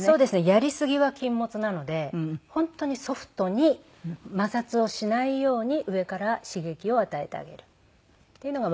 やりすぎは禁物なので本当にソフトに摩擦をしないように上から刺激を与えてあげるっていうのが。